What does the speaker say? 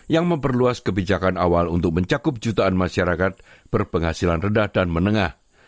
yang memperluas kebijakan awal untuk mencakup jutaan masyarakat berpenghasilan rendah dan menengah